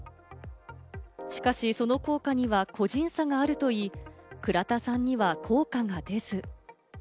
しかし、その効果には個人差があるといい、倉田さんには効果が出ず。